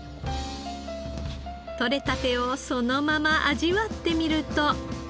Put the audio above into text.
とれたてをそのまま味わってみると。